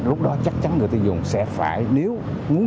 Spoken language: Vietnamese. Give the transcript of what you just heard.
lúc đó chắc chắn người tiêu dùng sẽ phải nếu muốn